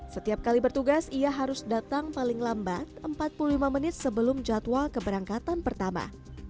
setiap kali bertugas ia harus datang paling lambat empat puluh lima menit sebelum jadwal keberangkatan pertama